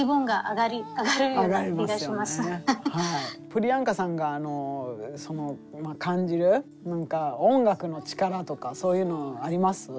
プリヤンカさんが感じる音楽の力とかそういうのあります？